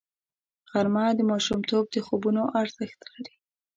غرمه د ماشومتوب د خوبونو ارزښت لري